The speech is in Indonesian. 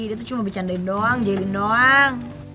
dia tuh cuma bercandain doang jahilin doang